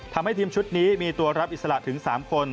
ทำให้ทีมชุดนี้มีตัวรับอิสระถึง๓คน